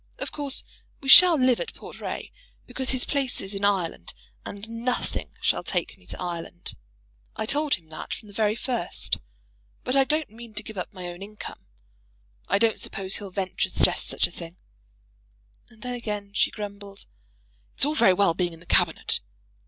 Of course we shall live at Portray, because his place is in Ireland; and nothing shall take me to Ireland. I told him that from the very first. But I don't mean to give up my own income. I don't suppose he'll venture to suggest such a thing." And then again she grumbled. "It's all very well being in the Cabinet